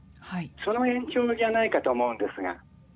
その延長じゃないかと思うんですが。